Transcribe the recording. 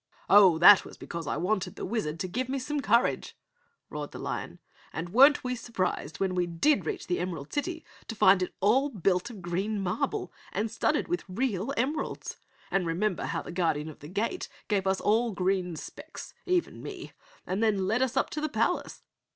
"Oh, that was because I wanted the Wizard to give me some courage," roared the lion. "And weren't we surprised when we did reach the Emerald City to find it all built of green marble, studded with real emeralds! And remember how the Guardian of the Gate gave us all green specs, even me, and then led us up to the palace?"